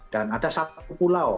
dan ada satu pulau